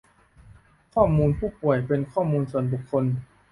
ข้อมูลผู้ป่วยเป็นข้อมูลส่วนบุคคล